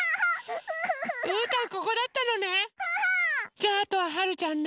じゃああとははるちゃんね。